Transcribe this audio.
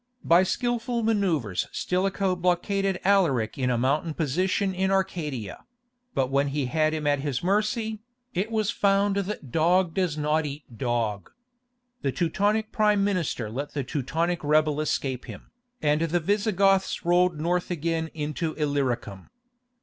By skilful manœuvres Stilicho blockaded Alaric in a mountain position in Arcadia; but when he had him at his mercy, it was found that "dog does not eat dog." The Teutonic prime minister let the Teutonic rebel escape him, and the Visigoths rolled north again into Illyricum.